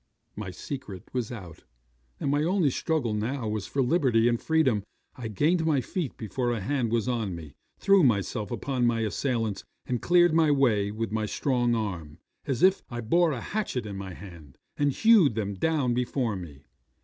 'My secret was out; and my only struggle now was for liberty and freedom. I gained my feet before a hand was on me, threw myself among my assailants, and cleared my way with my strong arm, as if I bore a hatchet in my hand, and hewed them down before me.